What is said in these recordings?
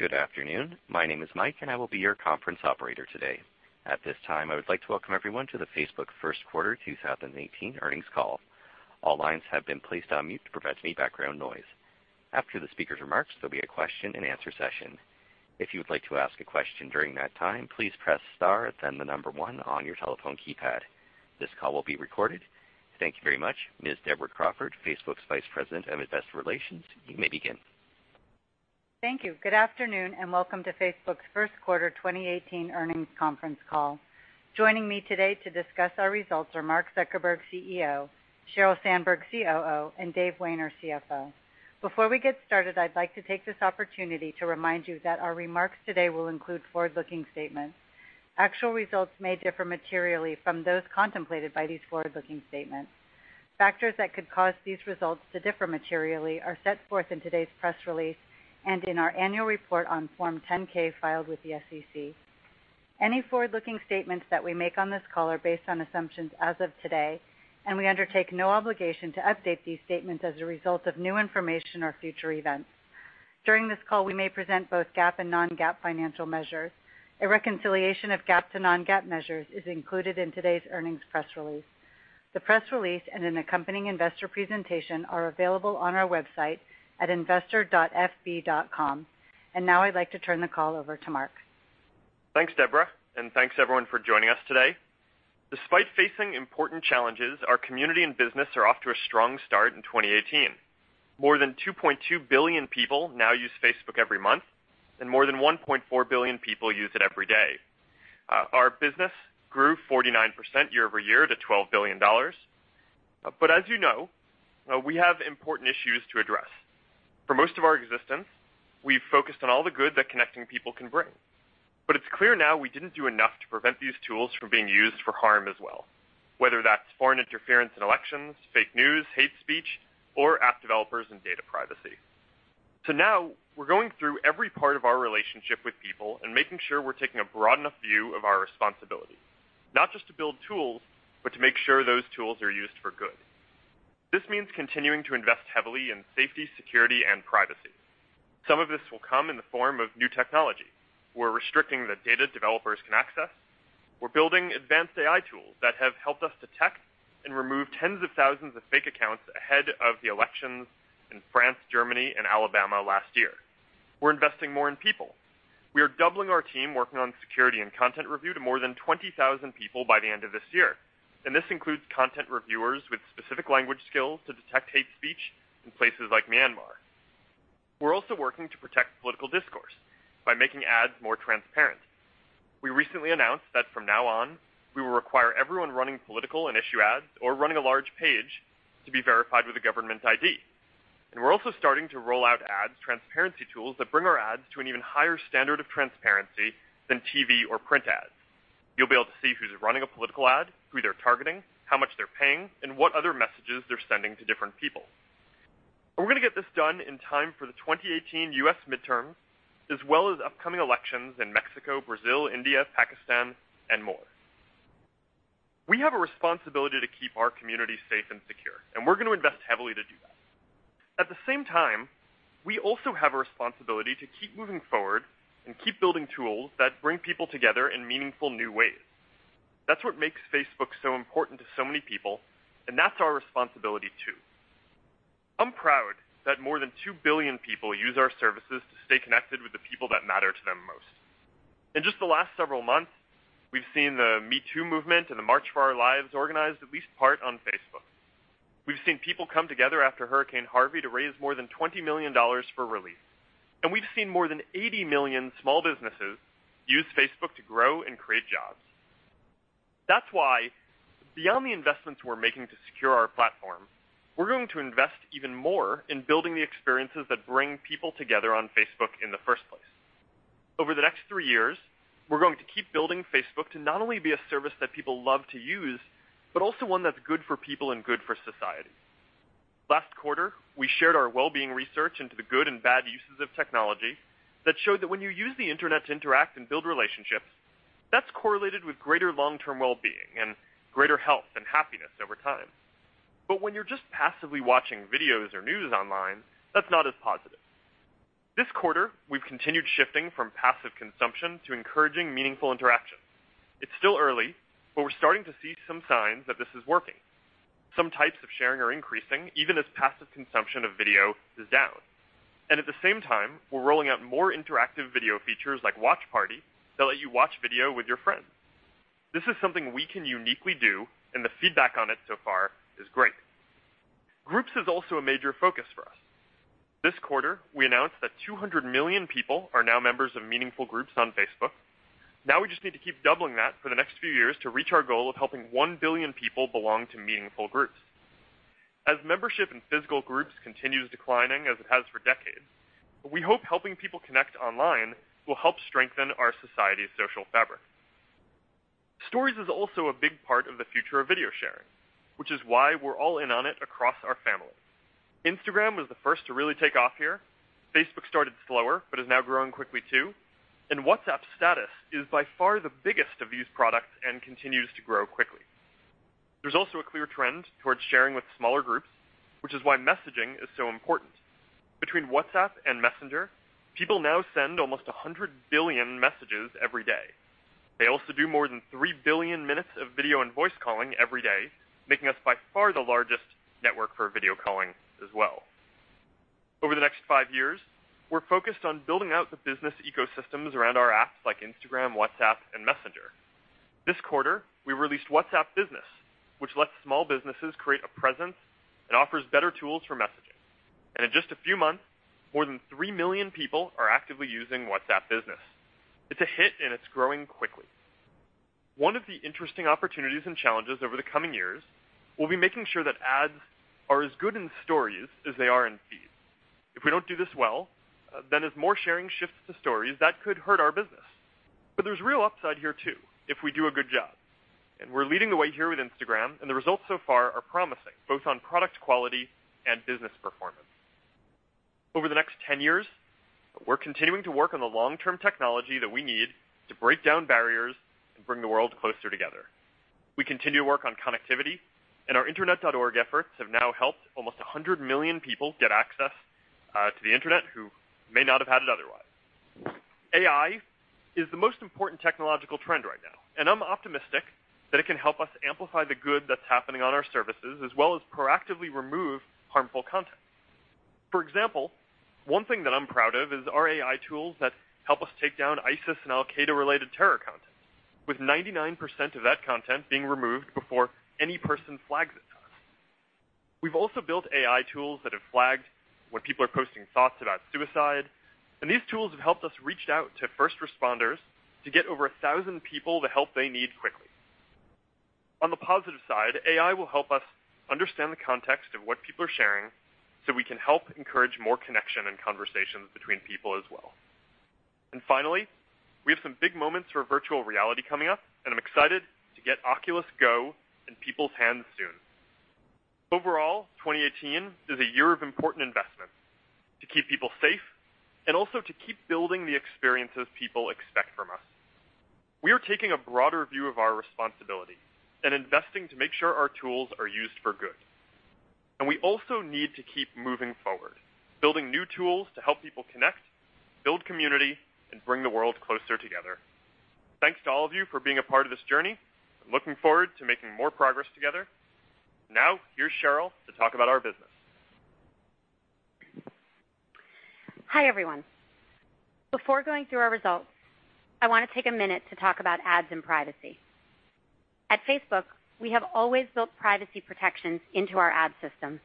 Good afternoon. My name is Mike, and I will be your conference operator today. At this time, I would like to welcome everyone to the Facebook first quarter 2018 earnings call. All lines have been placed on mute to prevent any background noise. After the speaker's remarks, there'll be a question and answer session. If you would like to ask a question during that time, please press star, then the number one on your telephone keypad. This call will be recorded. Thank you very much. Ms. Deborah Crawford, Facebook's Vice President of Investor Relations, you may begin. Thank you. Good afternoon, welcome to Facebook's first quarter 2018 earnings conference call. Joining me today to discuss our results are Mark Zuckerberg, CEO; Sheryl Sandberg, COO; and Dave Wehner, CFO. Before we get started, I'd like to take this opportunity to remind you that our remarks today will include forward-looking statements. Actual results may differ materially from those contemplated by these forward-looking statements. Factors that could cause these results to differ materially are set forth in today's press release and in our annual report on Form 10-K filed with the SEC. Any forward-looking statements that we make on this call are based on assumptions as of today. We undertake no obligation to update these statements as a result of new information or future events. During this call, we may present both GAAP and non-GAAP financial measures. A reconciliation of GAAP to non-GAAP measures is included in today's earnings press release. The press release and an accompanying investor presentation are available on our website at investor.fb.com. Now I'd like to turn the call over to Mark. Thanks, Deborah, thanks everyone for joining us today. Despite facing important challenges, our community and business are off to a strong start in 2018. More than 2.2 billion people now use Facebook every month, and more than 1.4 billion people use it every day. Our business grew 49% year-over-year to $12 billion. As you know, we have important issues to address. For most of our existence, we've focused on all the good that connecting people can bring. It's clear now we didn't do enough to prevent these tools from being used for harm as well, whether that's foreign interference in elections, fake news, hate speech, or app developers and data privacy. We're going through every part of our relationship with people and making sure we're taking a broad enough view of our responsibility, not just to build tools, but to make sure those tools are used for good. This means continuing to invest heavily in safety, security, and privacy. Some of this will come in the form of new technology. We're restricting the data developers can access. We're building advanced AI tools that have helped us detect and remove tens of thousands of fake accounts ahead of the elections in France, Germany, and Alabama last year. We're investing more in people. We are doubling our team working on security and content review to more than 20,000 people by the end of this year, and this includes content reviewers with specific language skills to detect hate speech in places like Myanmar. We're also working to protect political discourse by making ads more transparent. We recently announced that from now on, we will require everyone running political and issue ads or running a large page to be verified with a government ID. We're also starting to roll out ads transparency tools that bring our ads to an even higher standard of transparency than TV or print ads. You'll be able to see who's running a political ad, who they're targeting, how much they're paying, and what other messages they're sending to different people. We're going to get this done in time for the 2018 U.S. midterms, as well as upcoming elections in Mexico, Brazil, India, Pakistan, and more. We have a responsibility to keep our community safe and secure, and we're going to invest heavily to do that. At the same time, we also have a responsibility to keep moving forward and keep building tools that bring people together in meaningful new ways. That's what makes Facebook so important to so many people, and that's our responsibility, too. I'm proud that more than 2 billion people use our services to stay connected with the people that matter to them most. In just the last several months, we've seen the Me Too movement and the March for Our Lives organized, at least part, on Facebook. We've seen people come together after Hurricane Harvey to raise more than $20 million for relief, and we've seen more than 80 million small businesses use Facebook to grow and create jobs. That's why beyond the investments we're making to secure our platform, we're going to invest even more in building the experiences that bring people together on Facebook in the first place. Over the next three years, we're going to keep building Facebook to not only be a service that people love to use, but also one that's good for people and good for society. Last quarter, we shared our well-being research into the good and bad uses of technology that showed that when you use the internet to interact and build relationships, that's correlated with greater long-term well-being and greater health and happiness over time. When you're just passively watching videos or news online, that's not as positive. This quarter, we've continued shifting from passive consumption to encouraging meaningful interactions. It's still early, but we're starting to see some signs that this is working. Some types of sharing are increasing even as passive consumption of video is down. At the same time, we're rolling out more interactive video features like Watch Party that let you watch video with your friends. This is something we can uniquely do, and the feedback on it so far is great. Groups is also a major focus for us. This quarter, we announced that 200 million people are now members of meaningful groups on Facebook. Now we just need to keep doubling that for the next few years to reach our goal of helping 1 billion people belong to meaningful groups. As membership in physical groups continues declining as it has for decades, we hope helping people connect online will help strengthen our society's social fabric. Stories is also a big part of the future of video sharing, which is why we're all in on it across our family. Instagram was the first to really take off here. Facebook started slower, but is now growing quickly, too. WhatsApp Status is by far the biggest of these products and continues to grow quickly. There's also a clear trend towards sharing with smaller groups, which is why messaging is so important. Between WhatsApp and Messenger, people now send almost 100 billion messages every day. They also do more than 3 billion minutes of video and voice calling every day, making us by far the largest network for video calling as well. Over the next 5 years, we're focused on building out the business ecosystems around our apps like Instagram, WhatsApp, and Messenger. This quarter, we released WhatsApp Business, which lets small businesses create a presence and offers better tools for messaging. In just a few months, more than 3 million people are actively using WhatsApp Business. It's a hit, and it's growing quickly. One of the interesting opportunities and challenges over the coming years will be making sure that ads are as good in Stories as they are in Feed. If we don't do this well, then as more sharing shifts to Stories, that could hurt our business. There's real upside here too if we do a good job. We're leading the way here with Instagram, and the results so far are promising, both on product quality and business performance. Over the next 10 years, we're continuing to work on the long-term technology that we need to break down barriers and bring the world closer together. We continue to work on connectivity, and our Internet.org efforts have now helped almost 100 million people get access to the internet who may not have had it otherwise. AI is the most important technological trend right now, and I'm optimistic that it can help us amplify the good that's happening on our services, as well as proactively remove harmful content. For example, one thing that I'm proud of is our AI tools that help us take down ISIS and al-Qaeda-related terror content, with 99% of that content being removed before any person flags it to us. We've also built AI tools that have flagged when people are posting thoughts about suicide, and these tools have helped us reach out to first responders to get over 1,000 people the help they need quickly. On the positive side, AI will help us understand the context of what people are sharing so we can help encourage more connection and conversations between people as well. Finally, we have some big moments for virtual reality coming up, and I'm excited to get Oculus Go in people's hands soon. Overall, 2018 is a year of important investments to keep people safe and also to keep building the experiences people expect from us. We are taking a broader view of our responsibility and investing to make sure our tools are used for good. We also need to keep moving forward, building new tools to help people connect, build community, and bring the world closer together. Thanks to all of you for being a part of this journey. I'm looking forward to making more progress together. Now, here's Sheryl to talk about our business. Hi, everyone. Before going through our results, I want to take a minute to talk about ads and privacy. At Facebook, we have always built privacy protections into our ad system.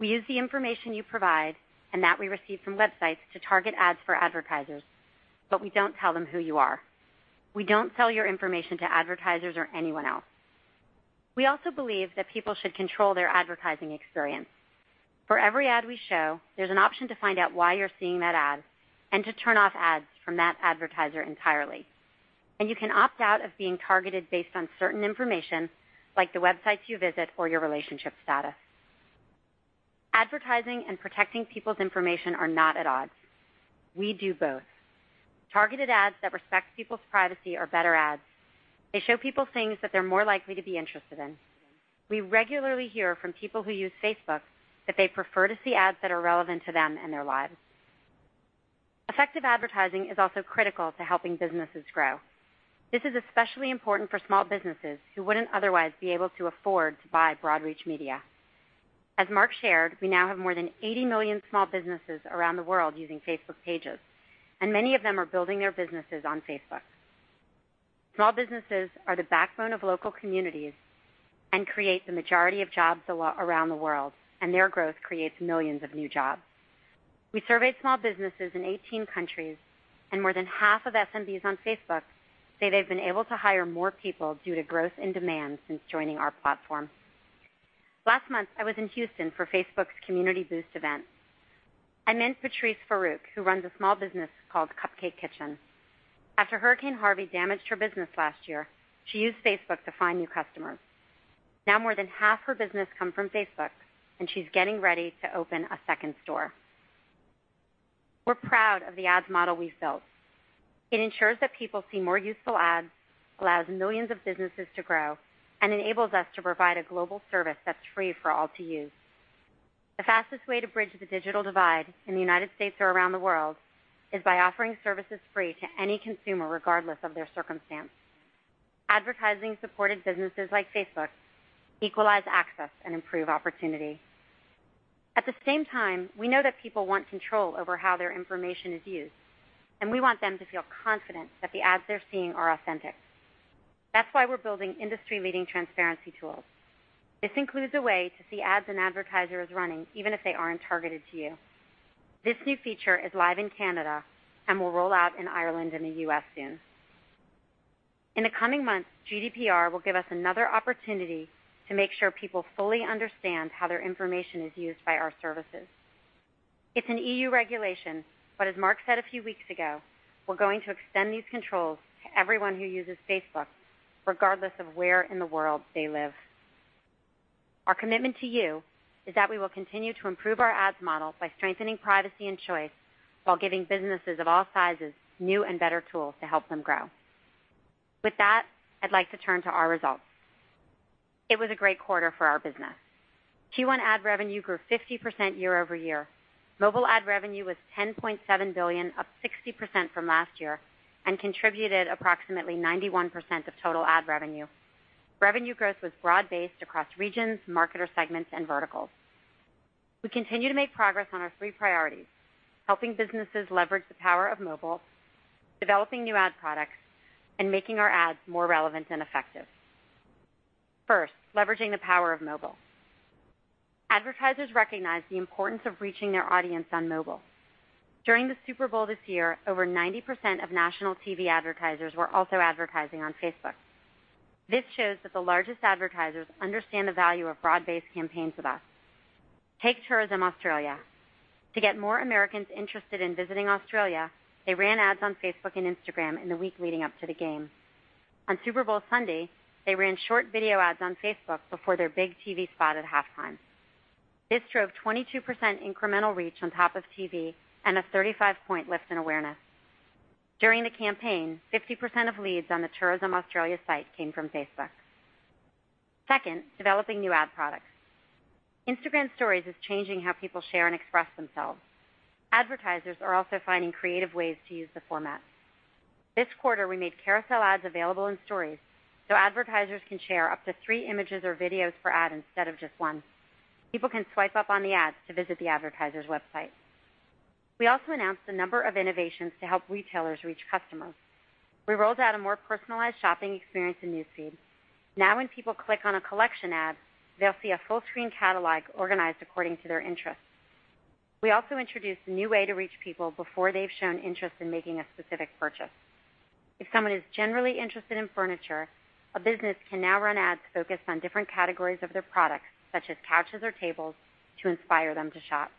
We use the information you provide and that we receive from websites to target ads for advertisers, but we don't tell them who you are. We don't sell your information to advertisers or anyone else. We also believe that people should control their advertising experience. For every ad we show, there's an option to find out why you're seeing that ad and to turn off ads from that advertiser entirely. You can opt out of being targeted based on certain information like the websites you visit or your relationship status. Advertising and protecting people's information are not at odds. We do both. Targeted ads that respect people's privacy are better ads. They show people things that they're more likely to be interested in. We regularly hear from people who use Facebook that they prefer to see ads that are relevant to them and their lives. Effective advertising is also critical to helping businesses grow. This is especially important for small businesses who wouldn't otherwise be able to afford to buy broad reach media. As Mark shared, we now have more than 80 million small businesses around the world using Facebook Pages, and many of them are building their businesses on Facebook. Small businesses are the backbone of local communities and create the majority of jobs around the world, and their growth creates millions of new jobs. We surveyed small businesses in 18 countries, and more than half of SMBs on Facebook say they've been able to hire more people due to growth in demand since joining our platform. Last month, I was in Houston for Facebook Community Boost event. I met Patrice Farooq, who runs a small business called Cupcake Kitchen. After Hurricane Harvey damaged her business last year, she used Facebook to find new customers. Now more than half her business comes from Facebook, and she's getting ready to open a second store. We're proud of the ads model we've built. It ensures that people see more useful ads, allows millions of businesses to grow, and enables us to provide a global service that's free for all to use. The fastest way to bridge the digital divide in the U.S. or around the world is by offering services free to any consumer, regardless of their circumstance. Advertising-supported businesses like Facebook equalize access and improve opportunity. At the same time, we know that people want control over how their information is used, and we want them to feel confident that the ads they're seeing are authentic. That's why we're building industry-leading transparency tools. This includes a way to see ads an advertiser is running, even if they aren't targeted to you. This new feature is live in Canada and will roll out in Ireland and the U.S. soon. In the coming months, GDPR will give us another opportunity to make sure people fully understand how their information is used by our services. It's an EU regulation, but as Mark said a few weeks ago, we're going to extend these controls to everyone who uses Facebook, regardless of where in the world they live. Our commitment to you is that we will continue to improve our ads model by strengthening privacy and choice while giving businesses of all sizes new and better tools to help them grow. With that, I'd like to turn to our results. It was a great quarter for our business. Q1 ad revenue grew 50% year-over-year. Mobile ad revenue was $10.7 billion, up 60% from last year, and contributed approximately 91% of total ad revenue. Revenue growth was broad-based across regions, marketer segments, and verticals. We continue to make progress on our three priorities: helping businesses leverage the power of mobile, developing new ad products, and making our ads more relevant and effective. First, leveraging the power of mobile. Advertisers recognize the importance of reaching their audience on mobile. During the Super Bowl this year, over 90% of national TV advertisers were also advertising on Facebook. This shows that the largest advertisers understand the value of broad-based campaigns with us. Take Tourism Australia. To get more Americans interested in visiting Australia, they ran ads on Facebook and Instagram in the week leading up to the game. On Super Bowl Sunday, they ran short video ads on Facebook before their big TV spot at halftime. This drove 22% incremental reach on top of TV and a 35-point lift in awareness. During the campaign, 50% of leads on the Tourism Australia site came from Facebook. Second, developing new ad products. Instagram Stories is changing how people share and express themselves. Advertisers are also finding creative ways to use the format. This quarter, we made carousel ads available in Stories so advertisers can share up to three images or videos per ad instead of just one. People can swipe up on the ads to visit the advertiser's website. We also announced a number of innovations to help retailers reach customers. We rolled out a more personalized shopping experience in News Feed. Now when people click on a collection ad, they'll see a full-screen catalog organized according to their interests. We also introduced a new way to reach people before they've shown interest in making a specific purchase. If someone is generally interested in furniture, a business can now run ads focused on different categories of their products, such as couches or tables, to inspire them to shop.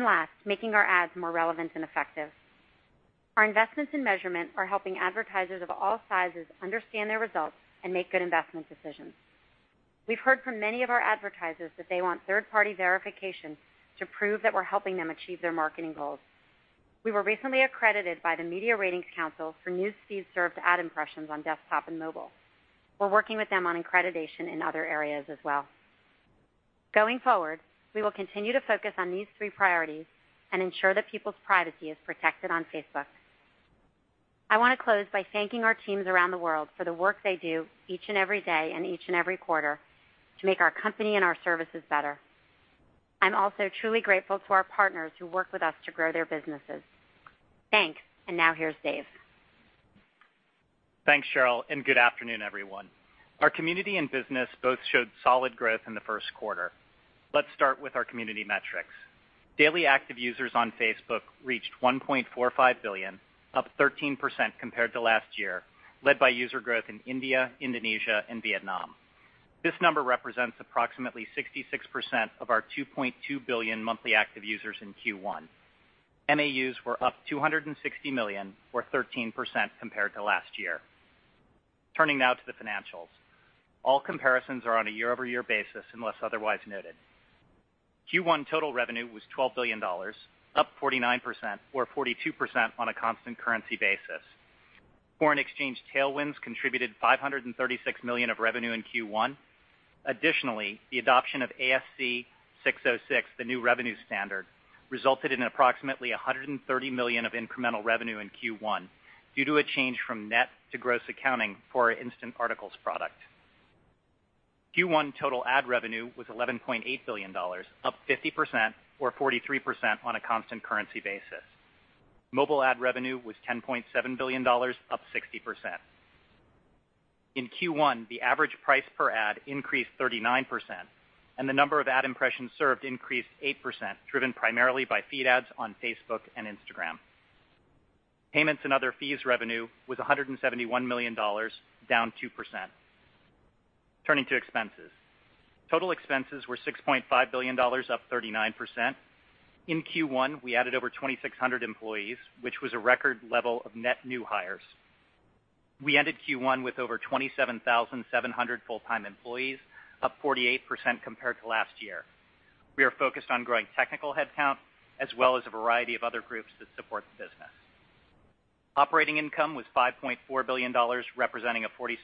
Last, making our ads more relevant and effective. Our investments in measurement are helping advertisers of all sizes understand their results and make good investment decisions. We've heard from many of our advertisers that they want third-party verification to prove that we're helping them achieve their marketing goals. We were recently accredited by the Media Rating Council for News Feed served ad impressions on desktop and mobile. We're working with them on accreditation in other areas as well. Going forward, we will continue to focus on these three priorities and ensure that people's privacy is protected on Facebook. I want to close by thanking our teams around the world for the work they do each and every day and each and every quarter to make our company and our services better. I'm also truly grateful to our partners who work with us to grow their businesses. Thanks, and now here's Dave. Thanks, Sheryl. Good afternoon, everyone. Our community and business both showed solid growth in the first quarter. Let's start with our community metrics. Daily active users on Facebook reached $1.45 billion, up 13% compared to last year, led by user growth in India, Indonesia, and Vietnam. This number represents approximately 66% of our $2.2 billion monthly active users in Q1. MAUs were up $260 million, or 13% compared to last year. Turning now to the financials. All comparisons are on a year-over-year basis, unless otherwise noted. Q1 total revenue was $12 billion, up 49%, or 42% on a constant currency basis. Foreign exchange tailwinds contributed $536 million of revenue in Q1. Additionally, the adoption of ASC 606, the new revenue standard, resulted in approximately $130 million of incremental revenue in Q1 due to a change from net to gross accounting for our Instant Articles product. Q1 total ad revenue was $11.8 billion, up 50%, or 43% on a constant currency basis. Mobile ad revenue was $10.7 billion, up 60%. In Q1, the average price per ad increased 39%, and the number of ad impressions served increased 8%, driven primarily by feed ads on Facebook and Instagram. Payments and other fees revenue was $171 million, down 2%. Turning to expenses. Total expenses were $6.5 billion, up 39%. In Q1, we added over 2,600 employees, which was a record level of net new hires. We ended Q1 with over 27,700 full-time employees, up 48% compared to last year. We are focused on growing technical headcount, as well as a variety of other groups that support the business. Operating income was $5.4 billion, representing a 46%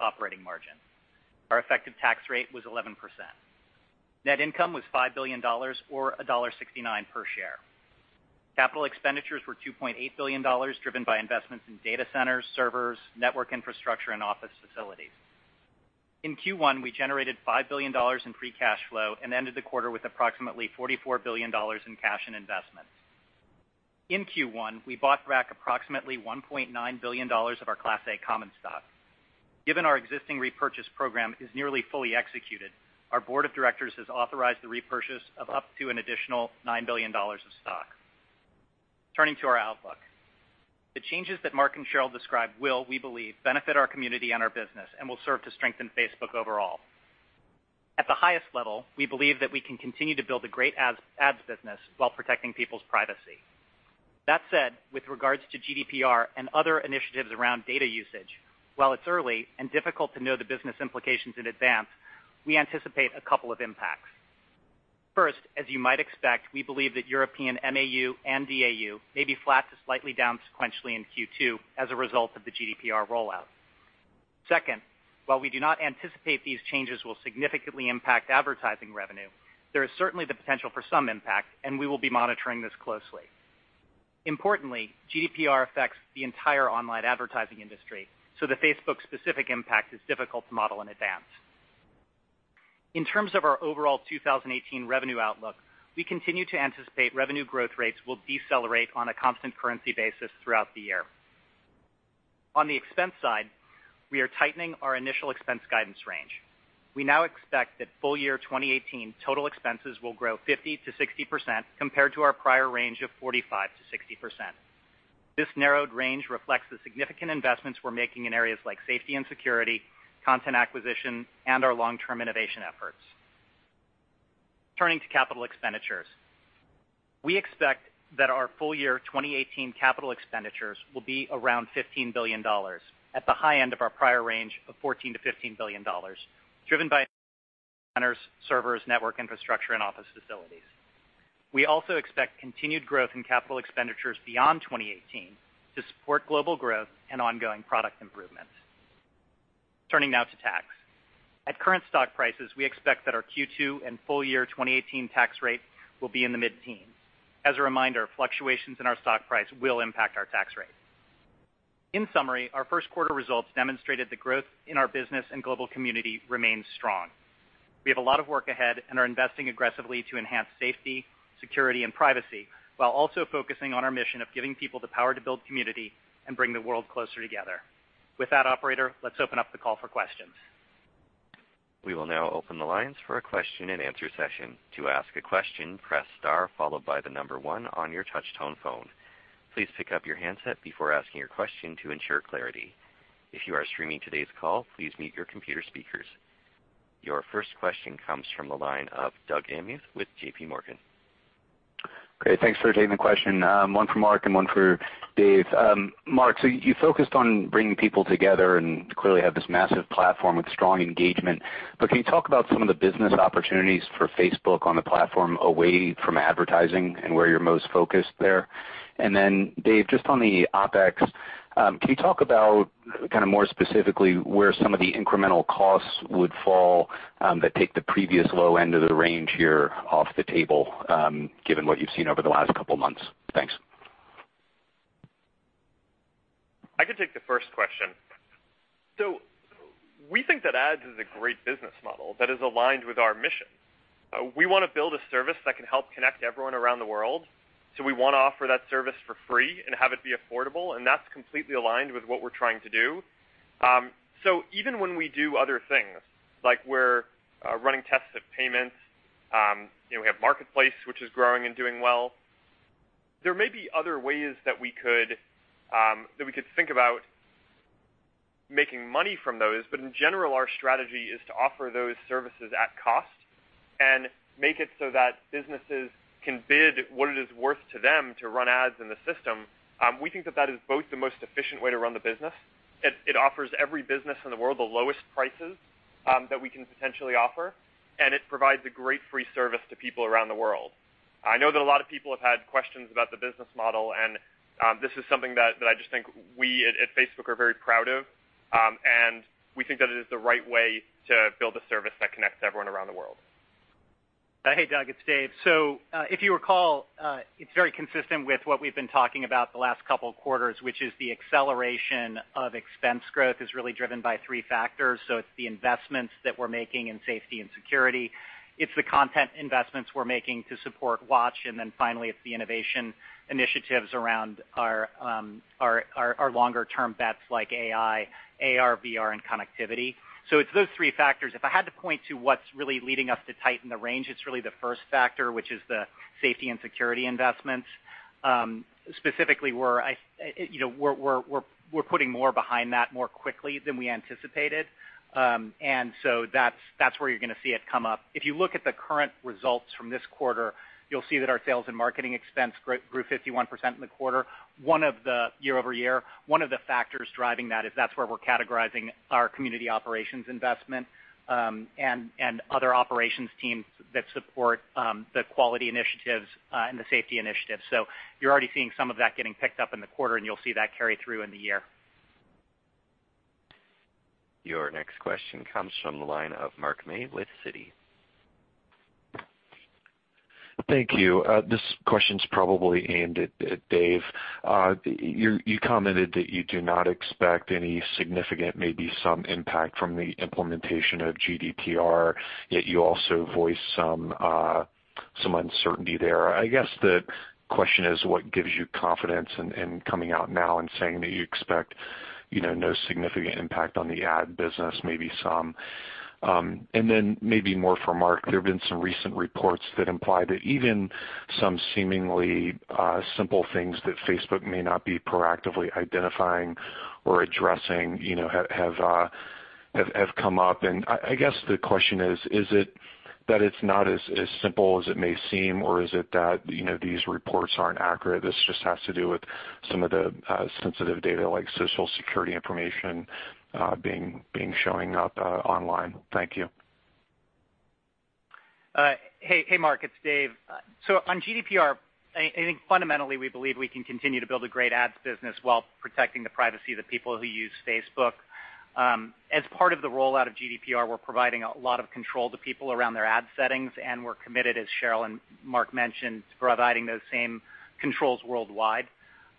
operating margin. Our effective tax rate was 11%. Net income was $5 billion, or $1.69 per share. Capital expenditures were $2.8 billion, driven by investments in data centers, servers, network infrastructure, and office facilities. In Q1, we generated $5 billion in free cash flow and ended the quarter with approximately $44 billion in cash and investments. In Q1, we bought back approximately $1.9 billion of our Class A common stock. Given our existing repurchase program is nearly fully executed, our board of directors has authorized the repurchase of up to an additional $9 billion of stock. Turning to our outlook. The changes that Mark and Sheryl described will, we believe, benefit our community and our business and will serve to strengthen Facebook overall. At the highest level, we believe that we can continue to build a great ads business while protecting people's privacy. That said, with regards to GDPR and other initiatives around data usage, while it's early and difficult to know the business implications in advance, we anticipate a couple of impacts. First, as you might expect, we believe that European MAU and DAU may be flat to slightly down sequentially in Q2 as a result of the GDPR rollout. Second, while we do not anticipate these changes will significantly impact advertising revenue, there is certainly the potential for some impact, and we will be monitoring this closely. Importantly, GDPR affects the entire online advertising industry, so the Facebook-specific impact is difficult to model in advance. In terms of our overall 2018 revenue outlook, we continue to anticipate revenue growth rates will decelerate on a constant currency basis throughout the year. On the expense side, we are tightening our initial expense guidance range. We now expect that full-year 2018 total expenses will grow 50%-60%, compared to our prior range of 45%-60%. This narrowed range reflects the significant investments we're making in areas like safety and security, content acquisition, and our long-term innovation efforts. Turning to capital expenditures. We expect that our full-year 2018 capital expenditures will be around $15 billion, at the high end of our prior range of $14 billion-$15 billion, driven by centers, servers, network infrastructure, and office facilities. We also expect continued growth in capital expenditures beyond 2018 to support global growth and ongoing product improvements. Turning now to tax. At current stock prices, we expect that our Q2 and full-year 2018 tax rate will be in the mid-teens. As a reminder, fluctuations in our stock price will impact our tax rate. In summary, our first quarter results demonstrated the growth in our business and global community remains strong. We have a lot of work ahead and are investing aggressively to enhance safety, security, and privacy, while also focusing on our mission of giving people the power to build community and bring the world closer together. With that, operator, let's open up the call for questions. We will now open the lines for a question and answer session. To ask a question, press star followed by the number one on your touch-tone phone. Please pick up your handset before asking your question to ensure clarity. If you are streaming today's call, please mute your computer speakers. Your first question comes from the line of Doug Anmuth with JPMorgan. Great. Thanks for taking the question, one for Mark and one for Dave. Mark, you focused on bringing people together and clearly have this massive platform with strong engagement, can you talk about some of the business opportunities for Facebook on the platform away from advertising and where you're most focused there? Dave, just on the OpEx, can you talk about more specifically where some of the incremental costs would fall that take the previous low end of the range here off the table, given what you've seen over the last couple of months? Thanks. I can take the first question. We think that ads is a great business model that is aligned with our mission. We want to build a service that can help connect everyone around the world, so we want to offer that service for free and have it be affordable, and that's completely aligned with what we're trying to do. Even when we do other things, like we're running tests of payments, we have Marketplace, which is growing and doing well. There may be other ways that we could think about making money from those, but in general, our strategy is to offer those services at cost and make it so that businesses can bid what it is worth to them to run ads in the system. We think that that is both the most efficient way to run the business. It offers every business in the world the lowest prices that we can potentially offer, and it provides a great free service to people around the world. I know that a lot of people have had questions about the business model, and this is something that I just think we at Facebook are very proud of, and we think that it is the right way to build a service that connects everyone around the world. Hey, Doug, it's Dave. If you recall, it's very consistent with what we've been talking about the last couple of quarters, which is the acceleration of expense growth is really driven by three factors. It's the investments that we're making in safety and security, it's the content investments we're making to support Watch, and then finally, it's the innovation initiatives around our longer-term bets like AI, AR, VR, and connectivity. It's those three factors. If I had to point to what's really leading us to tighten the range, it's really the first factor, which is the safety and security investments. Specifically, we're putting more behind that more quickly than we anticipated. That's where you're going to see it come up. If you look at the current results from this quarter, you'll see that our sales and marketing expense grew 51% in the quarter, year-over-year. One of the factors driving that is that's where we're categorizing our community operations investment and other operations teams that support the quality initiatives and the safety initiatives. You're already seeing some of that getting picked up in the quarter, and you'll see that carry through in the year. Your next question comes from the line of Mark May with Citi. Thank you. This question's probably aimed at Dave. You commented that you do not expect any significant, maybe some impact from the implementation of GDPR, yet you also voiced some uncertainty there. I guess the question is what gives you confidence in coming out now and saying that you expect no significant impact on the ad business, maybe some. Maybe more for Mark, there have been some recent reports that imply that even some seemingly simple things that Facebook may not be proactively identifying or addressing have come up. I guess the question is it that it's not as simple as it may seem, or is it that these reports aren't accurate? This just has to do with some of the sensitive data like Social Security information showing up online. Thank you. Hey, Mark, it's Dave. On GDPR, I think fundamentally we believe we can continue to build a great ads business while protecting the privacy of the people who use Facebook. As part of the rollout of GDPR, we're providing a lot of control to people around their ad settings, and we're committed, as Sheryl and Mark mentioned, to providing those same controls worldwide.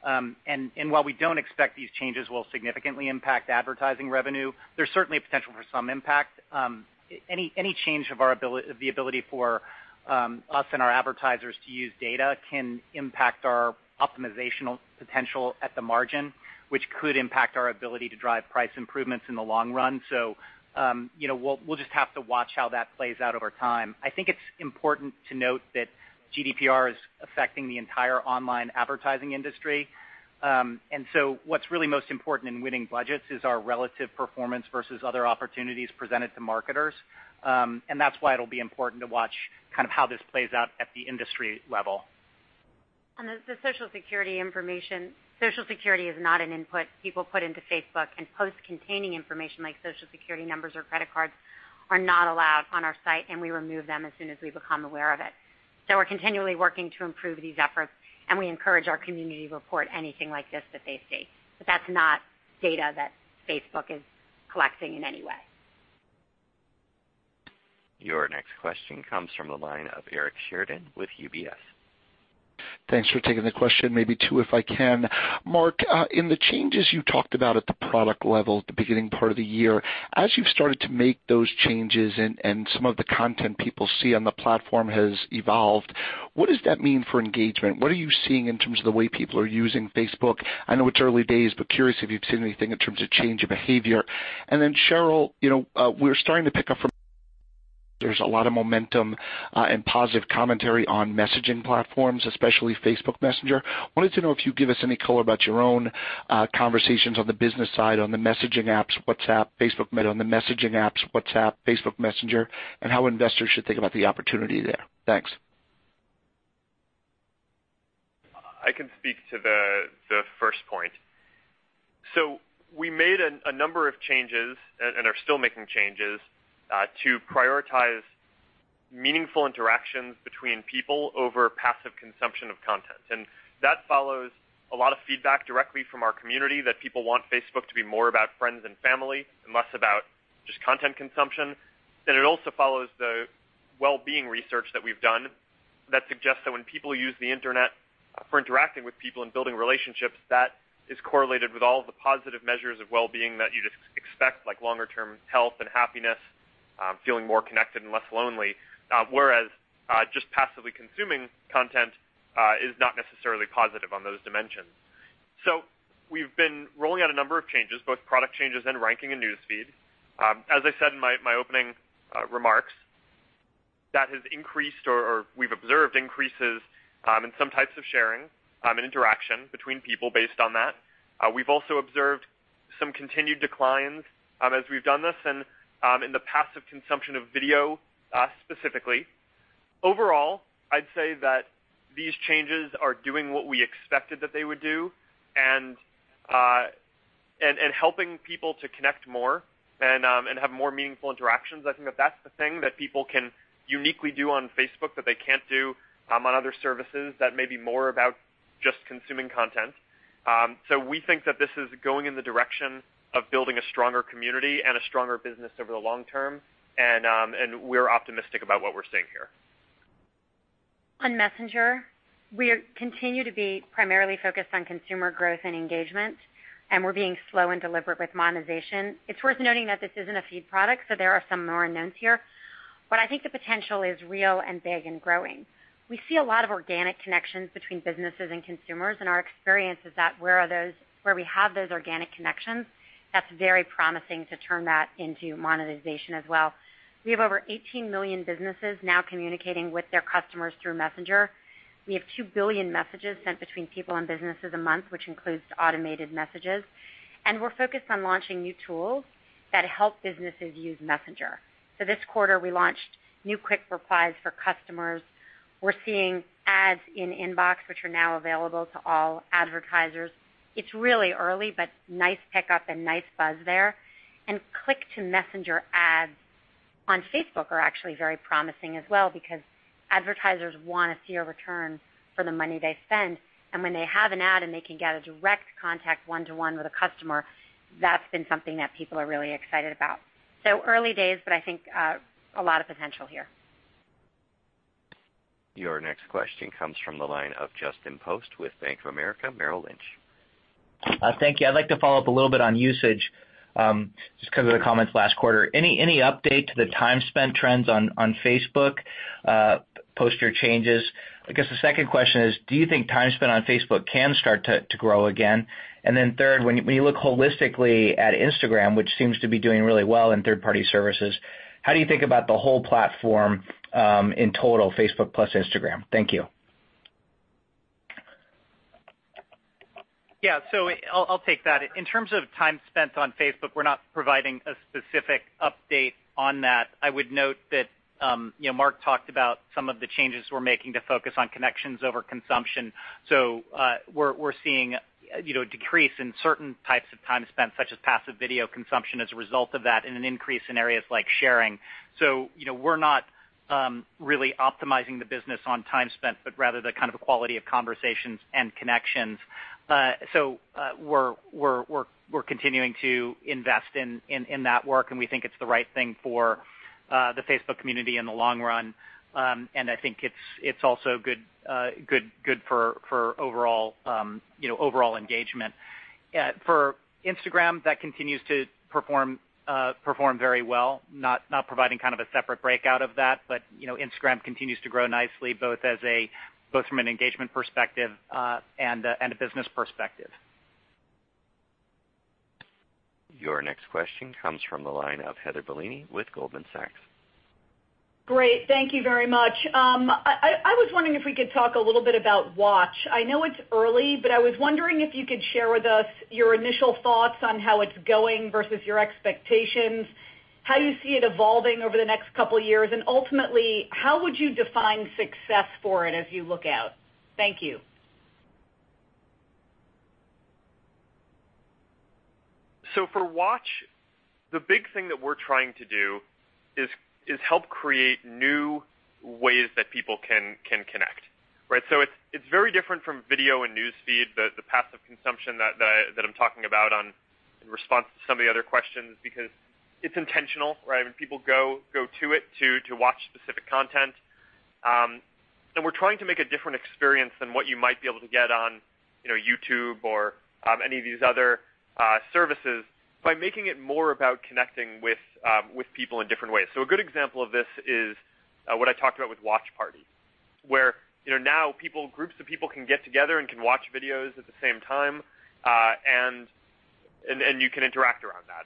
While we don't expect these changes will significantly impact advertising revenue, there's certainly a potential for some impact. Any change of the ability for us and our advertisers to use data can impact our optimizational potential at the margin, which could impact our ability to drive price improvements in the long run. We'll just have to watch how that plays out over time. I think it's important to note that GDPR is affecting the entire online advertising industry. What's really most important in winning budgets is our relative performance versus other opportunities presented to marketers. That's why it'll be important to watch kind of how this plays out at the industry level. On the Social Security information, Social Security is not an input people put into Facebook, and posts containing information like Social Security numbers or credit cards are not allowed on our site, and we remove them as soon as we become aware of it. We're continually working to improve these efforts, and we encourage our community to report anything like this that they see. That's not data that Facebook is collecting in any way. Your next question comes from the line of Eric Sheridan with UBS. Thanks for taking the question. Maybe two, if I can. Mark, in the changes you talked about at the product level at the beginning part of the year, as you've started to make those changes and some of the content people see on the platform has evolved, what does that mean for engagement? What are you seeing in terms of the way people are using Facebook? I know it's early days, but curious if you've seen anything in terms of change of behavior. Then Sheryl, we're starting to pick up from there's a lot of momentum and positive commentary on messaging platforms, especially Facebook Messenger. Wanted to know if you'd give us any color about your own conversations on the business side, on the messaging apps, WhatsApp, Facebook Messenger, and how investors should think about the opportunity there. Thanks. I can speak to the first point. We made a number of changes and are still making changes to prioritize meaningful interactions between people over passive consumption of content. That follows a lot of feedback directly from our community that people want Facebook to be more about friends and family and less about just content consumption. It also follows the well-being research that we've done that suggests that when people use the internet for interacting with people and building relationships, that is correlated with all of the positive measures of well-being that you'd expect, like longer-term health and happiness, feeling more connected and less lonely. Whereas just passively consuming content is not necessarily positive on those dimensions. We've been rolling out a number of changes, both product changes and ranking in News Feed. As I said in my opening remarks, that has increased, or we've observed increases in some types of sharing and interaction between people based on that. We've also observed some continued declines as we've done this and in the passive consumption of video, specifically. Overall, I'd say that these changes are doing what we expected that they would do and helping people to connect more and have more meaningful interactions. I think that that's the thing that people can uniquely do on Facebook that they can't do on other services that may be more about just consuming content. We think that this is going in the direction of building a stronger community and a stronger business over the long term, and we're optimistic about what we're seeing here. On Messenger, we continue to be primarily focused on consumer growth and engagement, and we're being slow and deliberate with monetization. It's worth noting that this isn't a feed product, so there are some more unknowns here. I think the potential is real and big and growing. We see a lot of organic connections between businesses and consumers, and our experience is that where we have those organic connections, that's very promising to turn that into monetization as well. We have over 18 million businesses now communicating with their customers through Messenger. We have 2 billion messages sent between people and businesses a month, which includes automated messages. We're focused on launching new tools that help businesses use Messenger. This quarter, we launched new quick replies for customers. We're seeing ads in inbox, which are now available to all advertisers. It's really early, but nice pickup and nice buzz there. Click-to-Messenger ads on Facebook are actually very promising as well because advertisers want to see a return for the money they spend. When they have an ad and they can get a direct contact one-to-one with a customer, that's been something that people are really excited about. Early days, but I think a lot of potential here. Your next question comes from the line of Justin Post with Bank of America Merrill Lynch. Thank you. I'd like to follow up a little bit on usage, just because of the comments last quarter. Any update to the time spent trends on Facebook post your changes? I guess the second question is, do you think time spent on Facebook can start to grow again? Third, when you look holistically at Instagram, which seems to be doing really well in third-party services, how do you think about the whole platform in total, Facebook plus Instagram? Thank you. Yeah. I'll take that. In terms of time spent on Facebook, we're not providing a specific update on that. I would note that Mark talked about some of the changes we're making to focus on connections over consumption. We're seeing a decrease in certain types of time spent, such as passive video consumption as a result of that and an increase in areas like sharing. We're not really optimizing the business on time spent, but rather the kind of quality of conversations and connections. We're continuing to invest in that work, and we think it's the right thing for the Facebook community in the long run. I think it's also good for overall engagement. For Instagram, that continues to perform very well. Not providing kind of a separate breakout of that, Instagram continues to grow nicely, both from an engagement perspective and a business perspective. Your next question comes from the line of Heather Bellini with Goldman Sachs. Great. Thank you very much. I was wondering if we could talk a little bit about Watch. I know it's early, but I was wondering if you could share with us your initial thoughts on how it's going versus your expectations, how you see it evolving over the next couple of years, and ultimately, how would you define success for it as you look out? Thank you. For Watch, the big thing that we're trying to do is help create new ways that people can connect, right? It's very different from video and News Feed, the passive consumption that I'm talking about in response to some of the other questions, because it's intentional, right? I mean, people go to it to watch specific content. We're trying to make a different experience than what you might be able to get on YouTube or any of these other services by making it more about connecting with people in different ways. A good example of this is what I talked about with Watch Party, where now groups of people can get together and can watch videos at the same time, and you can interact around that.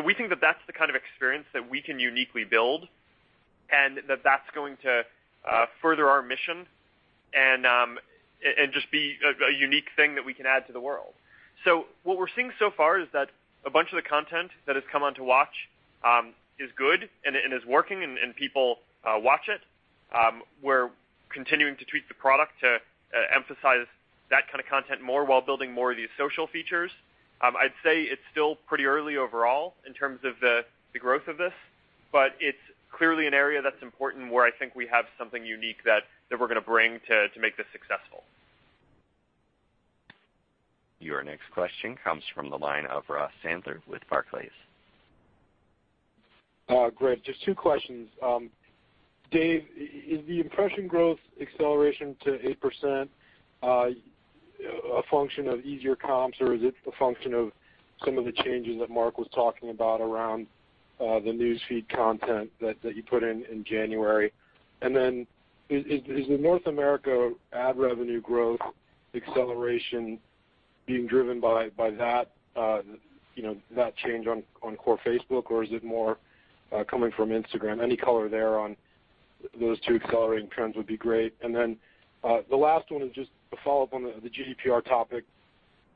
We think that that's the kind of experience that we can uniquely build and that's going to further our mission and just be a unique thing that we can add to the world. What we're seeing so far is that a bunch of the content that has come onto Watch is good and is working, and people watch it. We're continuing to tweak the product to emphasize that kind of content more while building more of these social features. I'd say it's still pretty early overall in terms of the growth of this, it's clearly an area that's important where I think we have something unique that we're going to bring to make this successful. Your next question comes from the line of Ross Sandler with Barclays. Great. Just two questions. Dave, is the impression growth acceleration to 8% a function of easier comps, or is it a function of some of the changes that Mark was talking about around the News Feed content that you put in in January? Is the North America ad revenue growth acceleration being driven by that change on core Facebook, or is it more coming from Instagram? Any color there on those two accelerating trends would be great. The last one is just a follow-up on the GDPR topic.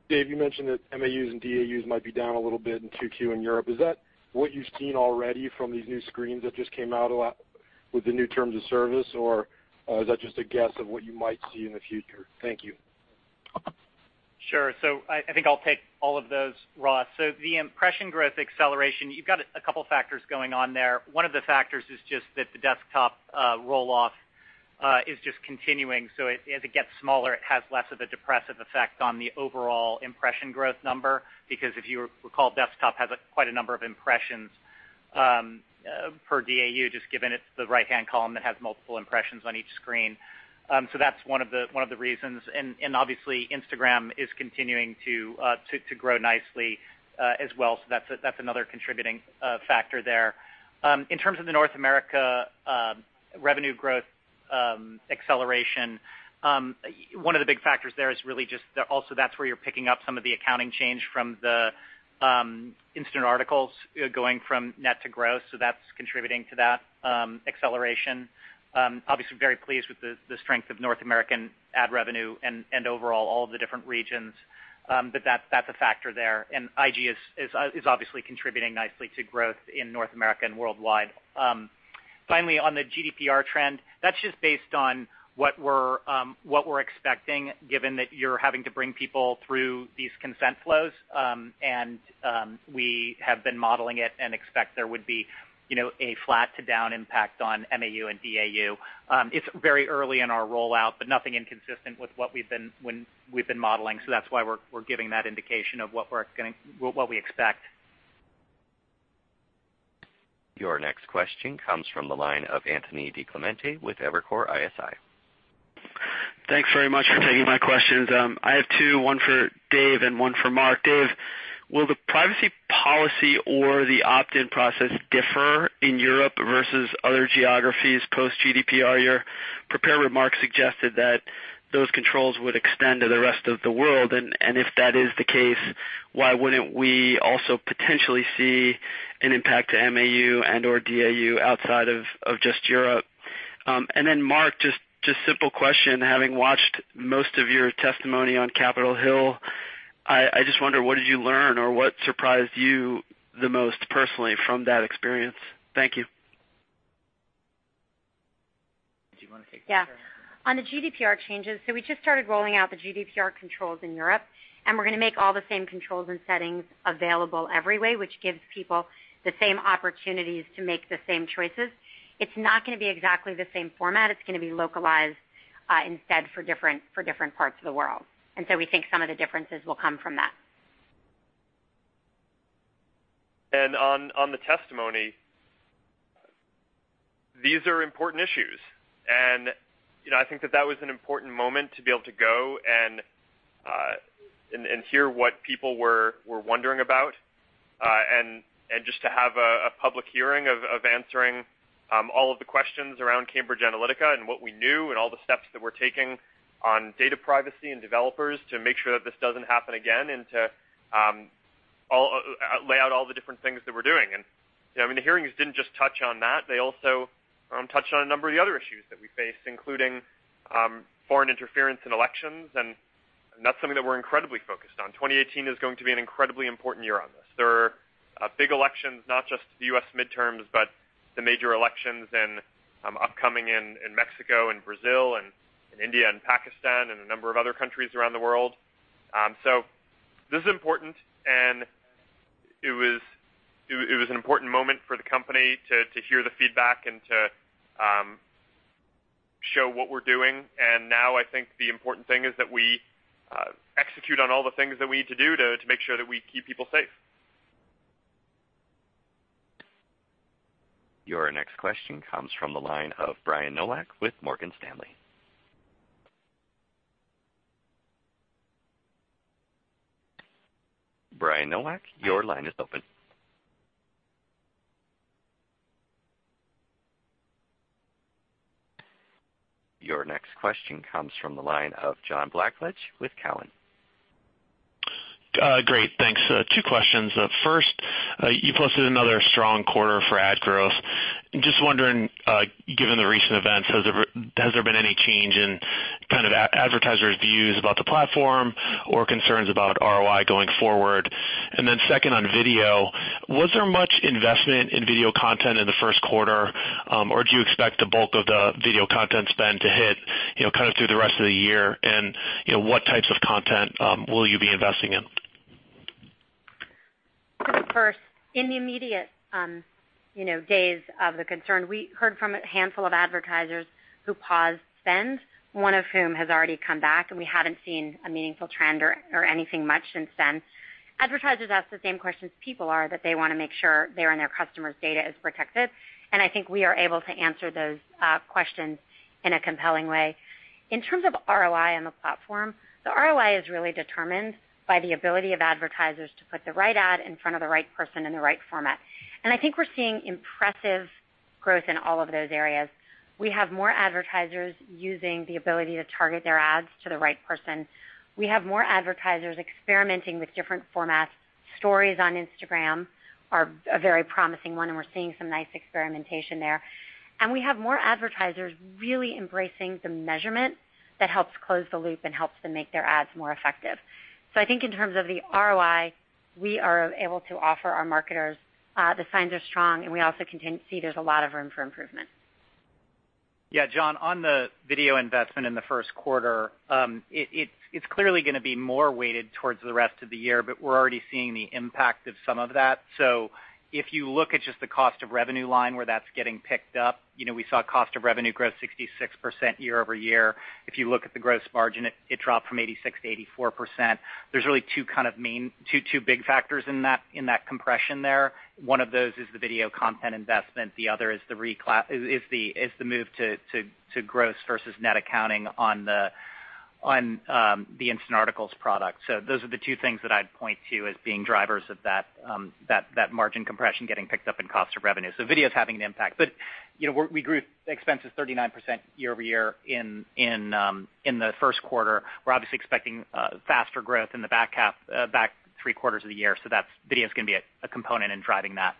Dave, you mentioned that MAUs and DAUs might be down a little bit in 2Q in Europe. Is that what you've seen already from these new screens that just came out with the new terms of service, or is that just a guess of what you might see in the future? Thank you. Sure. I think I'll take all of those, Ross. The impression growth acceleration, you've got a couple factors going on there. One of the factors is just that the desktop roll-off is just continuing. As it gets smaller, it has less of a depressive effect on the overall impression growth number. Because if you recall, desktop has quite a number of impressions per DAU, just given it's the right-hand column that has multiple impressions on each screen. That's one of the reasons. Obviously, Instagram is continuing to grow nicely as well, that's another contributing factor there. In terms of the North America revenue growth acceleration, one of the big factors there is really just that also that's where you're picking up some of the accounting change from the Instant Articles going from net to gross, that's contributing to that acceleration. Obviously very pleased with the strength of North American ad revenue and overall all of the different regions, that's a factor there. IG is obviously contributing nicely to growth in North America and worldwide. Finally, on the GDPR trend, that's just based on what we're expecting, given that you're having to bring people through these consent flows. We have been modeling it and expect there would be a flat to down impact on MAU and DAU. It's very early in our rollout, but nothing inconsistent with what we've been modeling, that's why we're giving that indication of what we expect. Your next question comes from the line of Anthony DiClemente with Evercore ISI. Thanks very much for taking my questions. I have two, one for Dave and one for Mark. Dave, will the privacy policy or the opt-in process differ in Europe versus other geographies post-GDPR? Your prepared remarks suggested that those controls would extend to the rest of the world. If that is the case, why wouldn't we also potentially see an impact to MAU and/or DAU outside of just Europe? Mark, just simple question. Having watched most of your testimony on Capitol Hill, I just wonder, what did you learn or what surprised you the most personally from that experience? Thank you. Do you want to take this, Sheryl? Yeah. On the GDPR changes, we just started rolling out the GDPR controls in Europe, we're going to make all the same controls and settings available everywhere, which gives people the same opportunities to make the same choices. It's not going to be exactly the same format. It's going to be localized instead for different parts of the world. We think some of the differences will come from that. On the testimony, these are important issues. I think that that was an important moment to be able to go and hear what people were wondering about, and just to have a public hearing of answering all of the questions around Cambridge Analytica and what we knew and all the steps that we're taking on data privacy and developers to make sure that this doesn't happen again and to lay out all the different things that we're doing. The hearings didn't just touch on that. They also touched on a number of the other issues that we face, including foreign interference in elections. That's something that we're incredibly focused on. 2018 is going to be an incredibly important year on this. There are big elections, not just the U.S. midterms, but the major elections upcoming in Mexico and Brazil and in India and Pakistan and a number of other countries around the world. This is important, and it was an important moment for the company to hear the feedback and to show what we're doing. Now I think the important thing is that we execute on all the things that we need to do to make sure that we keep people safe. Your next question comes from the line of Brian Nowak with Morgan Stanley. Brian Nowak, your line is open. Your next question comes from the line of John Blackledge with Cowen. Great. Thanks. 2 questions. First, you posted another strong quarter for ad growth. Just wondering, given the recent events, has there been any change in kind of advertisers' views about the platform or concerns about ROI going forward? Then second, on video, was there much investment in video content in the first quarter? Or do you expect the bulk of the video content spend to hit kind of through the rest of the year? And what types of content will you be investing in? The first, in the immediate days of the concern, we heard from a handful of advertisers who paused spends, one of whom has already come back, and we haven't seen a meaningful trend or anything much since then. Advertisers ask the same questions people are, that they want to make sure they and their customers' data is protected, and I think we are able to answer those questions in a compelling way. In terms of ROI on the platform, the ROI is really determined by the ability of advertisers to put the right ad in front of the right person in the right format. I think we're seeing impressive growth in all of those areas. We have more advertisers using the ability to target their ads to the right person. We have more advertisers experimenting with different formats. Yeah, John, Stories on Instagram are a very promising one, and we're seeing some nice experimentation there. We have more advertisers really embracing the measurement that helps close the loop and helps them make their ads more effective. I think in terms of the ROI we are able to offer our marketers, the signs are strong, and we also see there's a lot of room for improvement. Yeah, John, on the video investment in the first quarter, it's clearly going to be more weighted towards the rest of the year, but we're already seeing the impact of some of that. If you look at just the cost of revenue line where that's getting picked up, we saw cost of revenue grow 66% year-over-year. If you look at the gross margin, it dropped from 86%-84%. There's really two big factors in that compression there. One of those is the video content investment. The other is the move to gross versus net accounting on the Instant Articles product. Those are the two things that I'd point to as being drivers of that margin compression getting picked up in cost of revenue. Video is having an impact. We grew expenses 39% year-over-year in the first quarter. We're obviously expecting faster growth in the back three quarters of the year. Video's going to be a component in driving that.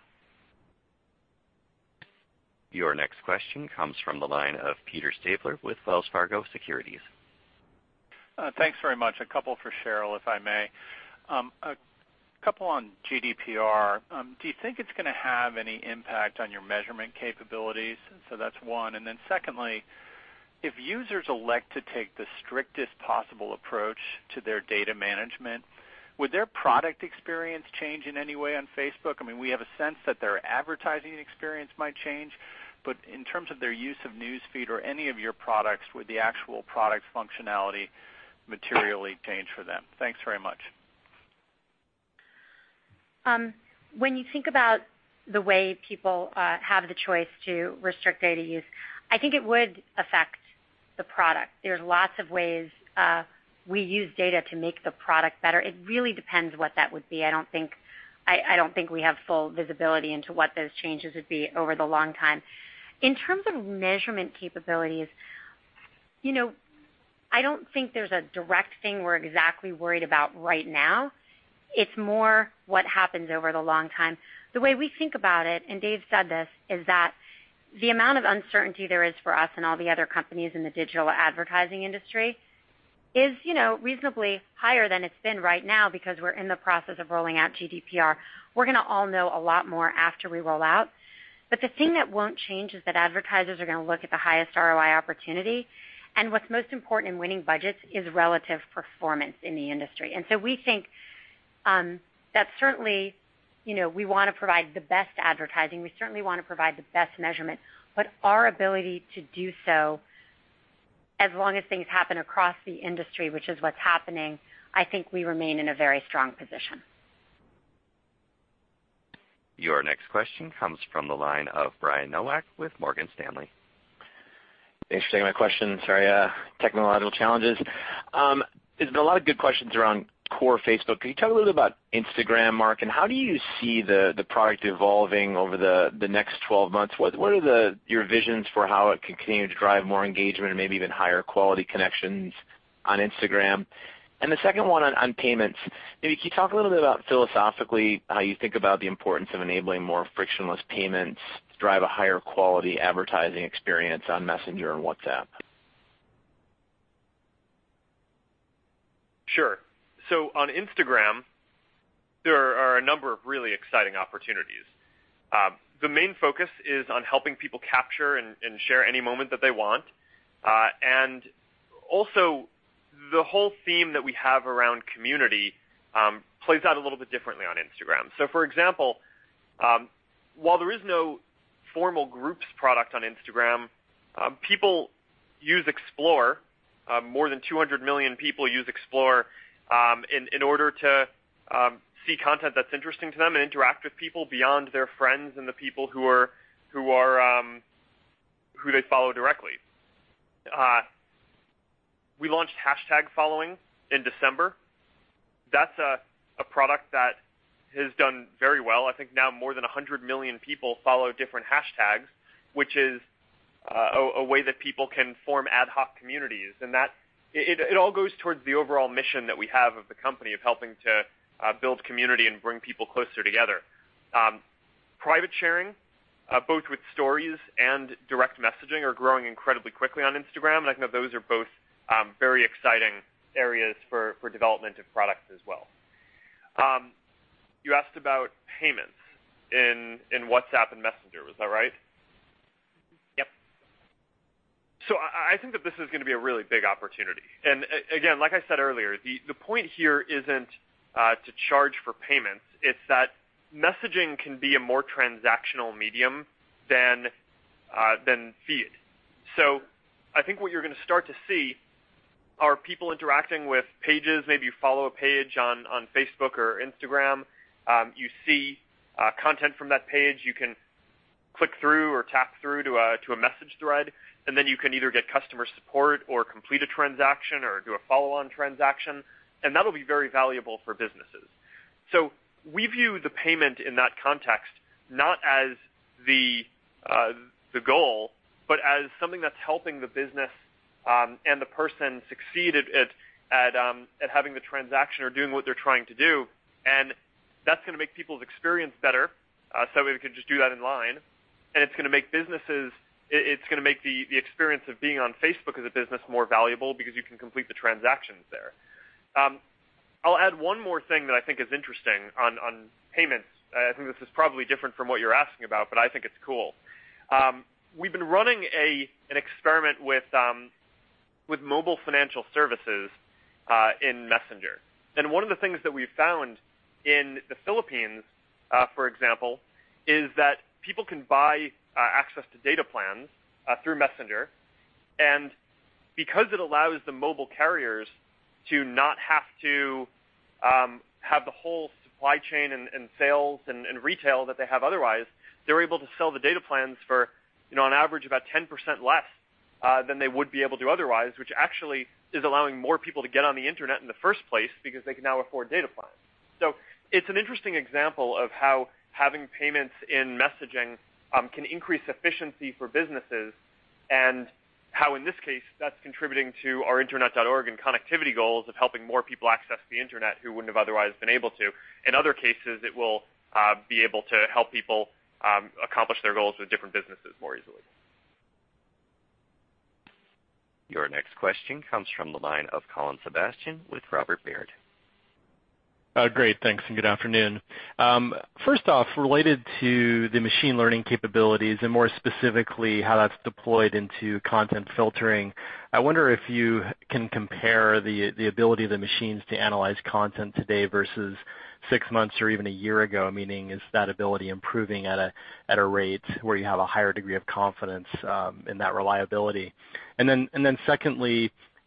Your next question comes from the line of Peter Stabler with Wells Fargo Securities. Thanks very much. A couple for Sheryl, if I may. A couple on GDPR. Do you think it's going to have any impact on your measurement capabilities? That's one. Secondly, if users elect to take the strictest possible approach to their data management, would their product experience change in any way on Facebook? I mean, we have a sense that their advertising experience might change. In terms of their use of News Feed or any of your products, would the actual product functionality materially change for them? Thanks very much. When you think about the way people have the choice to restrict data use, I think it would affect the product. There's lots of ways we use data to make the product better. It really depends what that would be. I don't think we have full visibility into what those changes would be over the long time. In terms of measurement capabilities I don't think there's a direct thing we're exactly worried about right now. It's more what happens over the long time. The way we think about it, and Dave said this, is that the amount of uncertainty there is for us and all the other companies in the digital advertising industry is reasonably higher than it's been right now because we're in the process of rolling out GDPR. We're going to all know a lot more after we roll out. The thing that won't change is that advertisers are going to look at the highest ROI opportunity, and what's most important in winning budgets is relative performance in the industry. We think that certainly, we want to provide the best advertising. We certainly want to provide the best measurement, but our ability to do so, as long as things happen across the industry, which is what's happening, I think we remain in a very strong position. Your next question comes from the line of Brian Nowak with Morgan Stanley. Thanks for taking my question. Sorry, technological challenges. There's been a lot of good questions around core Facebook. Can you tell me a little bit about Instagram, Mark, and how do you see the product evolving over the next 12 months? What are your visions for how it can continue to drive more engagement and maybe even higher quality connections on Instagram? The second one on payments. Maybe can you talk a little bit about philosophically, how you think about the importance of enabling more frictionless payments to drive a higher quality advertising experience on Messenger and WhatsApp? Sure. On Instagram, there are a number of really exciting opportunities. The main focus is on helping people capture and share any moment that they want. Also the whole theme that we have around community, plays out a little bit differently on Instagram. For example, while there is no formal groups product on Instagram, people use Explore. More than 200 million people use Explore, in order to see content that's interesting to them and interact with people beyond their friends and the people who they follow directly. We launched hashtag following in December. That's a product that has done very well. I think now more than 100 million people follow different hashtags, which is a way that people can form ad hoc communities. It all goes towards the overall mission that we have of the company of helping to build community and bring people closer together. Private sharing, both with Stories and direct messaging, are growing incredibly quickly on Instagram. I think those are both very exciting areas for development of products as well. You asked about payments in WhatsApp and Messenger, was that right? Yep. I think that this is going to be a really big opportunity. Again, like I said earlier, the point here isn't to charge for payments. It's that messaging can be a more transactional medium than Feed. I think what you're going to start to see are people interacting with pages, maybe you follow a page on Facebook or Instagram. You see content from that page. You can click through or tap through to a message thread, and then you can either get customer support or complete a transaction or do a follow-on transaction, and that'll be very valuable for businesses. We view the payment in that context, not as the goal, but as something that's helping the business, and the person succeed at having the transaction or doing what they're trying to do. That's going to make people's experience better, so we can just do that in line, and it's going to make the experience of being on Facebook as a business more valuable because you can complete the transactions there. I'll add one more thing that I think is interesting on payments. I think this is probably different from what you're asking about, but I think it's cool. We've been running an experiment with mobile financial services in Messenger. One of the things that we've found in the Philippines, for example, is that people can buy access to data plans through Messenger. Because it allows the mobile carriers to not have to have the whole supply chain and sales and retail that they have otherwise, they're able to sell the data plans for on average about 10% less than they would be able to otherwise, which actually is allowing more people to get on the internet in the first place because they can now afford data plans. It's an interesting example of how having payments in messaging can increase efficiency for businesses and how, in this case, that's contributing to our Internet.org and connectivity goals of helping more people access the internet who wouldn't have otherwise been able to. In other cases, it will be able to help people accomplish their goals with different businesses more easily. Your next question comes from the line of Colin Sebastian with Robert Baird. Great. Thanks, and good afternoon. First off, related to the machine learning capabilities and more specifically, how that's deployed into content filtering, I wonder if you can compare the ability of the machines to analyze content today versus six months or even a year ago. Meaning, is that ability improving at a rate where you have a higher degree of confidence in that reliability?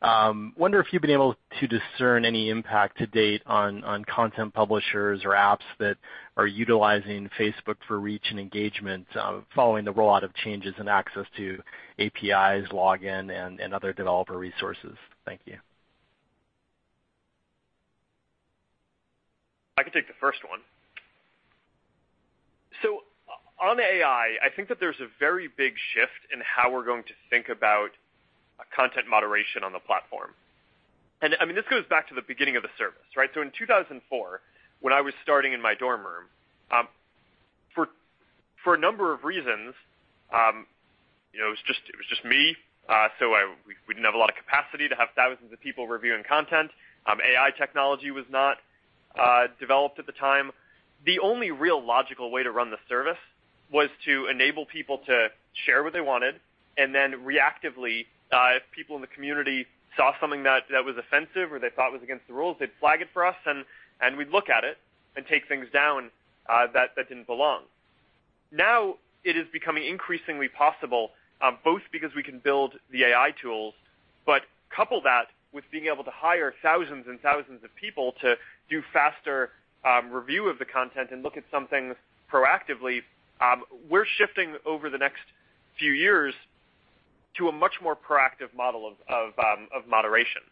Secondly, wonder if you've been able to discern any impact to date on content publishers or apps that are utilizing Facebook for reach and engagement following the rollout of changes in access to APIs, login, and other developer resources. Thank you. I can take the first one. On AI, I think that there's a very big shift in how we're going to think about content moderation on the platform. This goes back to the beginning of the service. In 2004, when I was starting in my dorm room, for a number of reasons, it was just me, so we didn't have a lot of capacity to have thousands of people reviewing content. AI technology was not developed at the time. The only real logical way to run the service was to enable people to share what they wanted, reactively, if people in the community saw something that was offensive or they thought was against the rules, they'd flag it for us, and we'd look at it and take things down that didn't belong. Now it is becoming increasingly possible, both because we can build the AI tools, couple that with being able to hire thousands and thousands of people to do faster review of the content and look at some things proactively. We're shifting over the next few years to a much more proactive model of moderation.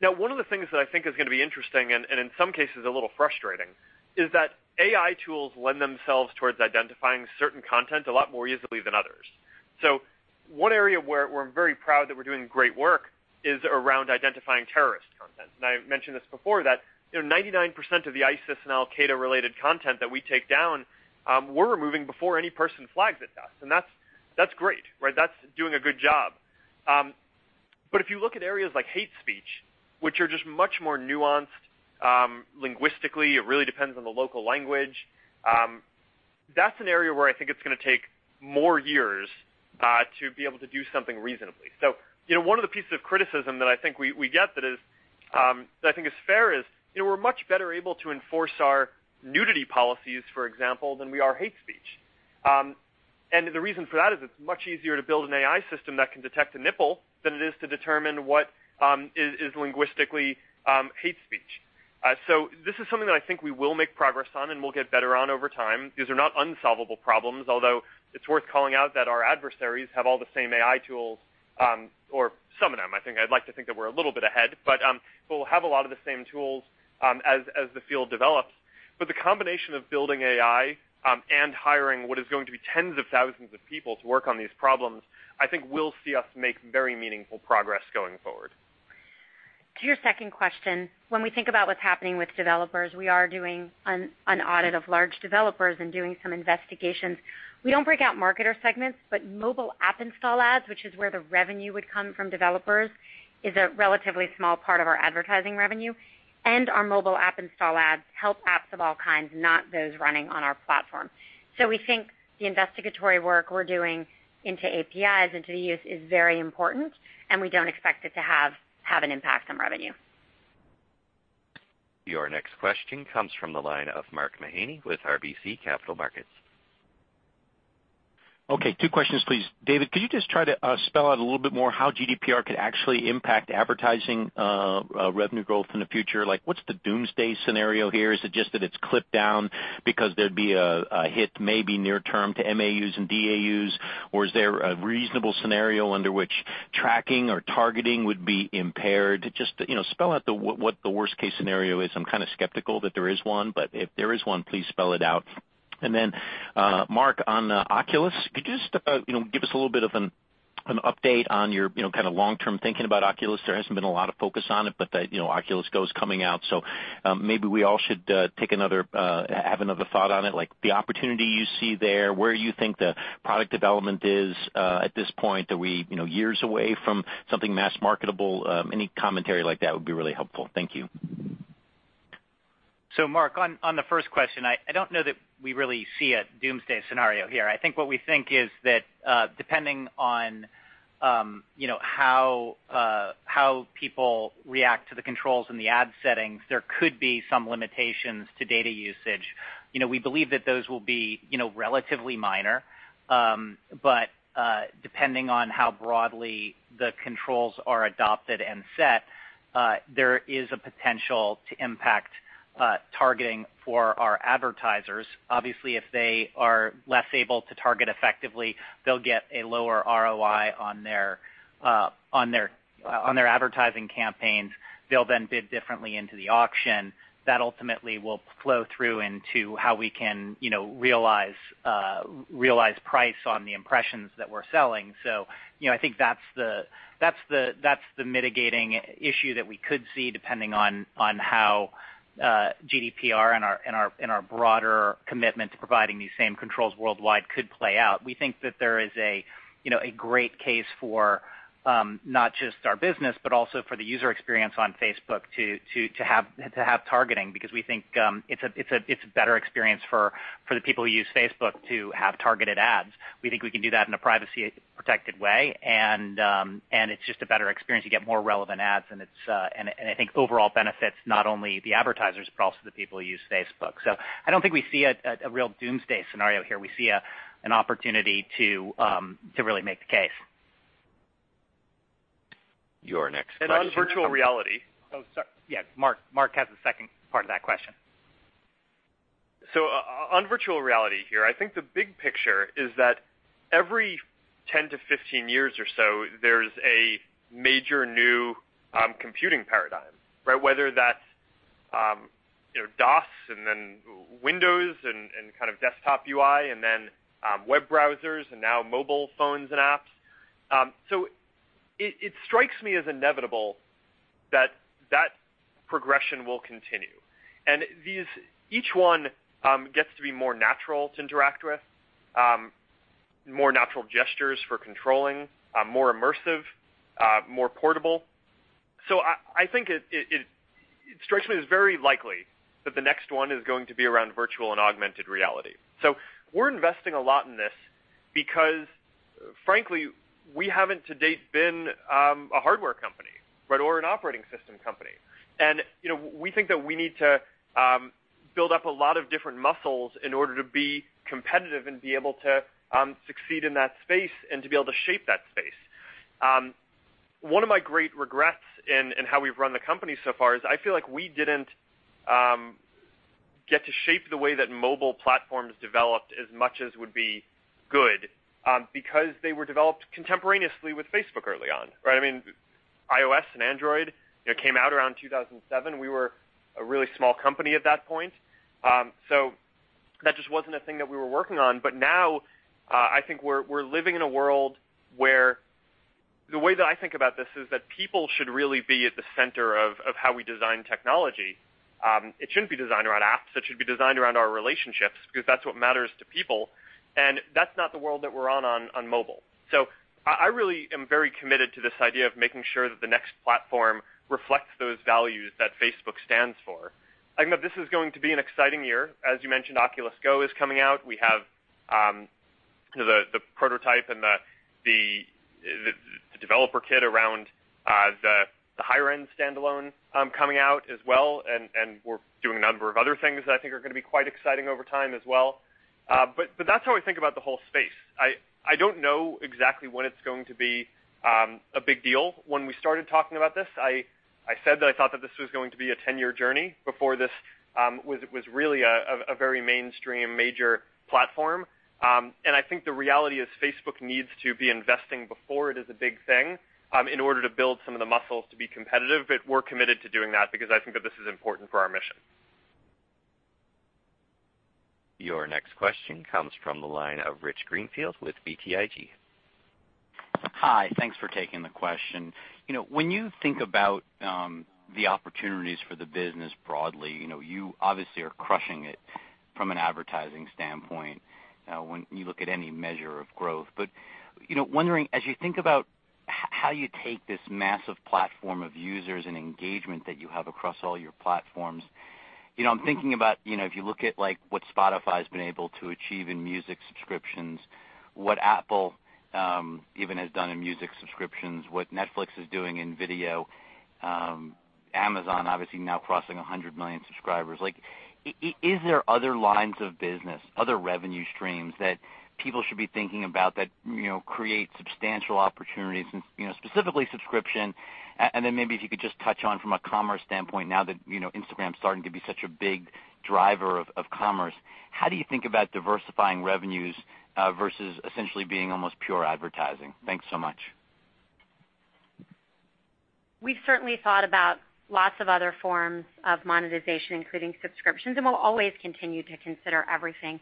Now, one of the things that I think is going to be interesting, in some cases a little frustrating, is that AI tools lend themselves towards identifying certain content a lot more easily than others. One area where we're very proud that we're doing great work is around identifying terrorist content. I mentioned this before, that 99% of the ISIS and al-Qaeda-related content that we take down, we're removing before any person flags it to us. That's great. That's doing a good job. If you look at areas like hate speech, which are just much more nuanced linguistically, it really depends on the local language. That's an area where I think it's going to take more years to be able to do something reasonably. One of the pieces of criticism that I think we get that I think is fair is, we're much better able to enforce our nudity policies, for example, than we are hate speech. The reason for that is it's much easier to build an AI system that can detect a nipple than it is to determine what is linguistically hate speech. This is something that I think we will make progress on and will get better on over time. These are not unsolvable problems, although it's worth calling out that our adversaries have all the same AI tools, or some of them. I'd like to think that we're a little bit ahead, but we'll have a lot of the same tools as the field develops. The combination of building AI and hiring what is going to be tens of thousands of people to work on these problems, I think will see us make very meaningful progress going forward. To your second question, when we think about what's happening with developers, we are doing an audit of large developers and doing some investigations. We don't break out marketer segments, but mobile app install ads, which is where the revenue would come from developers, is a relatively small part of our advertising revenue. Our mobile app install ads help apps of all kinds, not those running on our platform. We think the investigatory work we're doing into APIs, into the use, is very important, and we don't expect it to have an impact on revenue. Your next question comes from the line of Mark Mahaney with RBC Capital Markets. Okay, two questions, please. David, could you just try to spell out a little bit more how GDPR could actually impact advertising revenue growth in the future? Like, what's the doomsday scenario here? Is it just that it's clipped down because there'd be a hit maybe near term to MAUs and DAUs? Or is there a reasonable scenario under which tracking or targeting would be impaired? Just spell out what the worst-case scenario is. I'm kind of skeptical that there is one, but if there is one, please spell it out. Mark, on Oculus, could you just give us a little bit of an update on your long-term thinking about Oculus? There hasn't been a lot of focus on it, but the Oculus Go is coming out. Maybe we all should have another thought on it, like the opportunity you see there, where you think the product development is at this point. Are we years away from something mass marketable? Any commentary like that would be really helpful. Thank you. Mark, on the first question, I don't know that we really see a doomsday scenario here. I think what we think is that depending on how people react to the controls in the ad settings, there could be some limitations to data usage. We believe that those will be relatively minor. Depending on how broadly the controls are adopted and set, there is a potential to impact targeting for our advertisers. Obviously, if they are less able to target effectively, they'll get a lower ROI on their advertising campaigns. They'll then bid differently into the auction. That ultimately will flow through into how we can realize price on the impressions that we're selling. I think that's the mitigating issue that we could see depending on how GDPR and our broader commitment to providing these same controls worldwide could play out. We think that there is a great case for not just our business, but also for the user experience on Facebook to have targeting, because we think it's a better experience for the people who use Facebook to have targeted ads. We think we can do that in a privacy-protected way, it's just a better experience. You get more relevant ads, I think overall benefits not only the advertisers, but also the people who use Facebook. I don't think we see a real doomsday scenario here. We see an opportunity to really make the case. Your next question- On virtual reality- Oh, sorry. Yeah. Mark has the second part of that question. On virtual reality here, I think the big picture is that every 10-15 years or so, there's a major new computing paradigm. Whether that's DOS and then Windows and kind of desktop UI, and then web browsers, and now mobile phones and apps. It strikes me as inevitable that that progression will continue. Each one gets to be more natural to interact with, more natural gestures for controlling, more immersive, more portable. I think it strikes me as very likely that the next one is going to be around virtual and augmented reality. We're investing a lot in this because frankly, we haven't to date been a hardware company, or an operating system company. We think that we need to build up a lot of different muscles in order to be competitive and be able to succeed in that space and to be able to shape that space. One of my great regrets in how we've run the company so far is I feel like we didn't get to shape the way that mobile platforms developed as much as would be good, because they were developed contemporaneously with Facebook early on. I mean, iOS and Android came out around 2007. We were a really small company at that point. That just wasn't a thing that we were working on. Now, I think we're living in a world where the way that I think about this is that people should really be at the center of how we design technology. It shouldn't be designed around apps. It should be designed around our relationships because that's what matters to people, and that's not the world that we're on mobile. I really am very committed to this idea of making sure that the next platform reflects those values that Facebook stands for. I think that this is going to be an exciting year. As you mentioned, Oculus Go is coming out. We have the prototype and the developer kit around the higher-end standalone coming out as well, and we're doing a number of other things that I think are going to be quite exciting over time as well. That's how I think about the whole space. I don't know exactly when it's going to be a big deal. When we started talking about this, I said that I thought that this was going to be a 10-year journey before this was really a very mainstream major platform. I think the reality is Facebook needs to be investing before it is a big thing in order to build some of the muscles to be competitive. We're committed to doing that because I think that this is important for our mission. Your next question comes from the line of Rich Greenfield with BTIG. Hi. Thanks for taking the question. When you think about the opportunities for the business broadly, you obviously are crushing it from an advertising standpoint when you look at any measure of growth. Wondering, as you think about how you take this massive platform of users and engagement that you have across all your platforms, I'm thinking about if you look at what Spotify's been able to achieve in music subscriptions, what Apple even has done in music subscriptions, what Netflix is doing in video, Amazon obviously now crossing 100 million subscribers. Is there other lines of business, other revenue streams that people should be thinking about that create substantial opportunities in specifically subscription? Maybe if you could just touch on from a commerce standpoint now that Instagram's starting to be such a big driver of commerce, how do you think about diversifying revenues versus essentially being almost pure advertising? Thanks so much. We've certainly thought about lots of other forms of monetization, including subscriptions. We'll always continue to consider everything.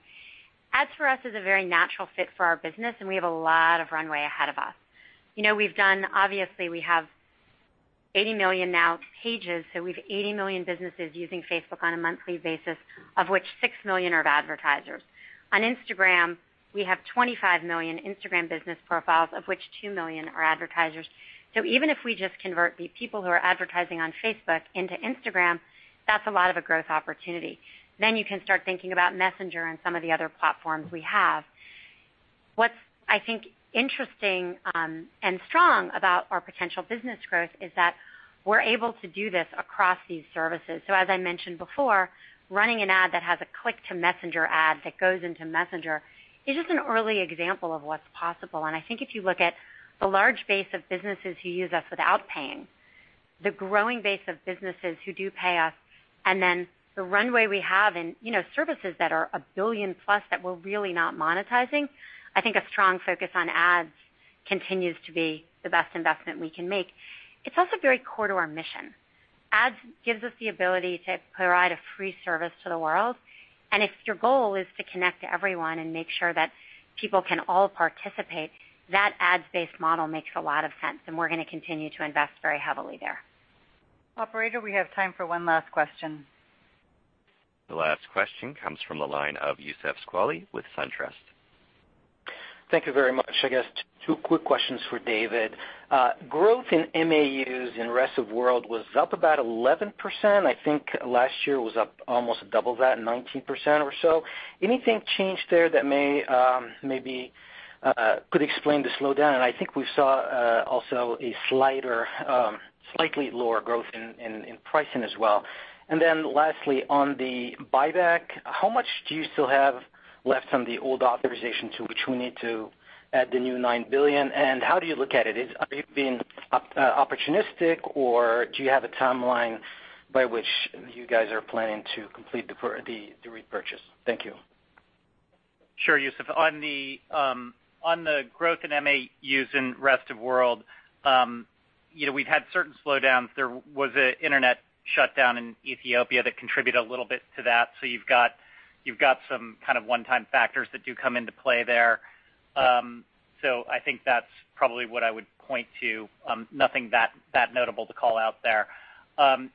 Ads for us is a very natural fit for our business. We have a lot of runway ahead of us. Obviously we have 80 million, now, pages, so we have 80 million businesses using Facebook on a monthly basis, of which 6 million are of advertisers. On Instagram, we have 25 million Instagram business profiles, of which 2 million are advertisers. Even if we just convert the people who are advertising on Facebook into Instagram, that's a lot of a growth opportunity. You can start thinking about Messenger and some of the other platforms we have. What's, I think, interesting and strong about our potential business growth is that we're able to do this across these services. As I mentioned before, running an ad that has a click-to-Messenger ad that goes into Messenger is just an early example of what's possible. I think if you look at the large base of businesses who use us without paying, the growing base of businesses who do pay us, then the runway we have in services that are a billion-plus that we're really not monetizing, I think a strong focus on ads continues to be the best investment we can make. It's also very core to our mission. Ads gives us the ability to provide a free service to the world. If your goal is to connect everyone and make sure that people can all participate, that ads-based model makes a lot of sense. We're going to continue to invest very heavily there. Operator, we have time for one last question. The last question comes from the line of Youssef Squali with SunTrust. Thank you very much. I guess two quick questions for David. Growth in MAUs in rest of world was up about 11%. I think last year was up almost double that, 19% or so. Anything change there that maybe could explain the slowdown? I think we saw also a slightly lower growth in pricing as well. Lastly, on the buyback, how much do you still have left on the old authorization to which we need to add the new $9 billion? How do you look at it? Are you being opportunistic, or do you have a timeline by which you guys are planning to complete the repurchase? Thank you. Sure, Youssef. On the growth in MAUs in rest of world, we've had certain slowdowns. There was an internet shutdown in Ethiopia that contributed a little bit to that. You've got some kind of one-time factors that do come into play there. I think that's probably what I would point to. Nothing that notable to call out there.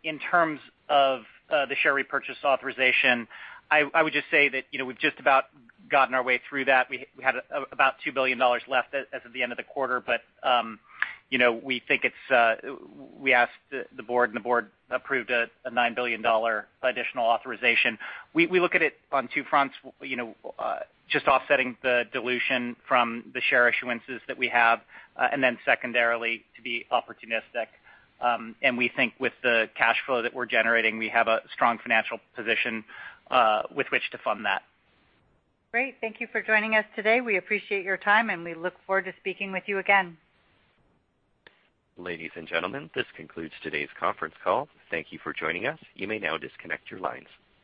In terms of the share repurchase authorization, I would just say that we've just about gotten our way through that. We had about $2 billion left as of the end of the quarter, but we asked the board and the board approved a $9 billion additional authorization. We look at it on two fronts. Just offsetting the dilution from the share issuances that we have, then secondarily, to be opportunistic. We think with the cash flow that we're generating, we have a strong financial position with which to fund that. Great. Thank you for joining us today. We appreciate your time, and we look forward to speaking with you again. Ladies and gentlemen, this concludes today's conference call. Thank you for joining us. You may now disconnect your lines.